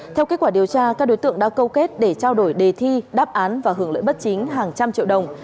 theo kết quả điều tra các đối tượng đã câu kết để trao đổi đề thi đáp án và hưởng lợi bất chính hàng trăm triệu đồng